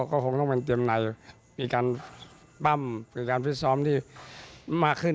ก็คงต้องเป็นเตรียมในมีการปั้มมีการฟิตซ้อมที่มากขึ้น